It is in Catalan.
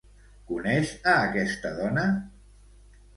Coneix a aquesta dona?